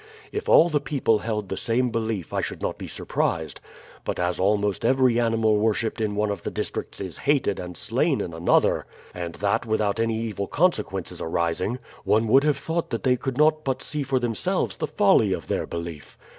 If all the people held the same belief I should not be surprised; but as almost every animal worshiped in one of the districts is hated and slain in another, and that without any evil consequences arising, one would have thought that they could not but see for themselves the folly of their belief.